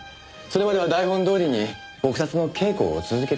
それまでは台本通りに撲殺の稽古を続けていた。